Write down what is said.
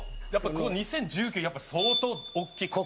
この２０１９やっぱ相当大きくて。